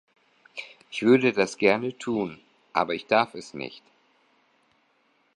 Ich würde das gerne tun, aber ich darf es nicht!